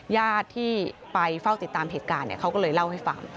ญาติที่ไปเฝ้าติดตามเหตุการณ์เขาก็เลยเล่าให้ฟัง